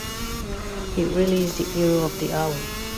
He really is the hero of the hour.